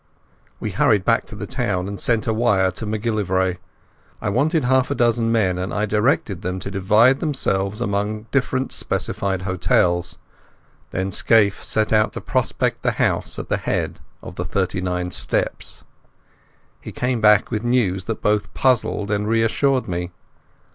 We hurried back to the town and sent a wire to MacGillivray. I wanted half a dozen men, and I directed them to divide themselves among different specified hotels. Then Scaife set out to prospect the house at the head of the thirty nine steps. He came back with news that both puzzled and reassured me.